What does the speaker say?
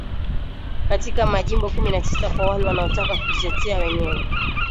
katika majimbo kumi na tisa kwa wale wanaotaka kujitetea wenyewe